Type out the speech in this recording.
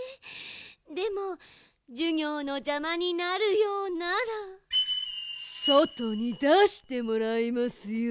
でもじゅぎょうのじゃまになるようならそとにだしてもらいますよ。